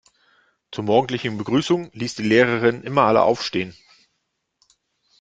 Zur morgendlichen Begrüßung ließ die Lehrerin immer alle aufstehen.